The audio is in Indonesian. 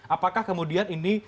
apakah kemudian ini